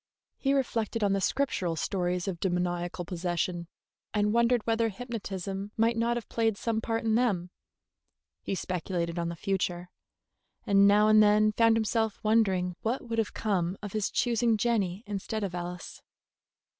He reflected on the Scriptural stories of demoniacal possession, and wondered whether hypnotism might not have played some part in them; he speculated on the future, and now and then found himself wondering what would have come of his choosing Jenny instead of Alice.